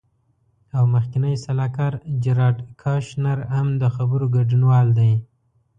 او مخکینی سلاکار جیراد کوشنر هم د خبرو ګډونوال دی.